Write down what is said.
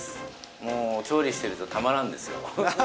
もう調理してるとたまらんですよあはは！